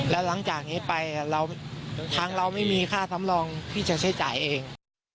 แล้วหลังจากนี้ไปทางเราไม่มีค่าสำรองที่จะใช้จ่ายเอง